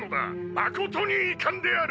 誠に遺憾である！